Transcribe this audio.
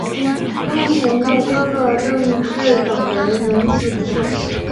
邓弘的哥哥邓骘等人仍辞不受。